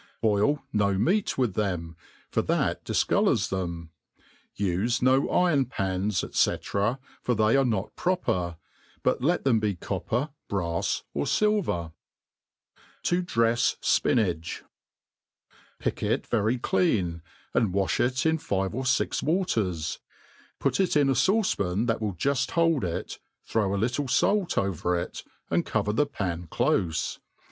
Boil no meat with then^, M that' difcolours them. Ufe no iron pans, Sec, for they are not proper ^ but let them be copper, brafs, or filver. To tb e/s Spinach. PICK W very clean, and wafli it iti fi\^e or fk Waters ; ptfk it in a fauce pan that will juft hold it, throw a little fait ovdt' it, and cover t1ie pan clofe.